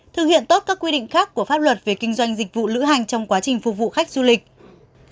thực hiện tốt các quy định khác của pháp luật về kinh doanh dịch vụ lữ hành trong quá trình phục vụ khách du lịch